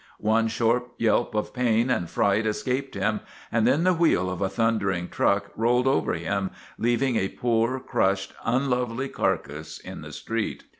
One short yelp of pain and fright escaped him, and then the wheel of a thundering truck rolled over him, leaving a poor, crushed, unlovely carcass in the street.